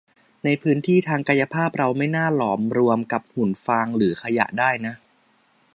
ในพื้นที่ทางกายภาพเราไม่น่าหลอมรวมกับหุ่นฟางหรือขยะได้นะ